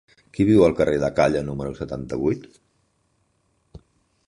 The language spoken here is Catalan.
Qui viu al carrer de Càller número setanta-vuit?